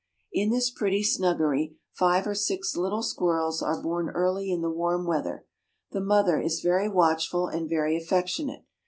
In this pretty snuggery five or six little squirrels are born early in the warm weather. The mother is very watchful and very affectionate.